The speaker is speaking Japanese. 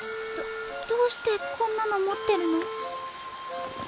どどうしてこんなの持ってるの？